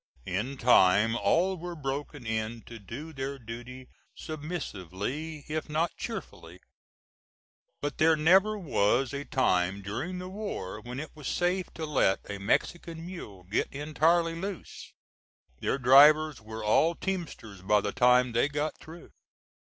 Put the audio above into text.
In time all were broken in to do their duty submissively if not cheerfully, but there never was a time during the war when it was safe to let a Mexican mule get entirely loose. Their drivers were all teamsters by the time they got through.